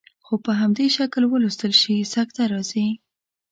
خو په همدې شکل ولوستل شي سکته راځي.